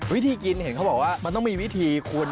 วิธีกินเห็นเขาบอกว่ามันต้องมีวิธีคุณ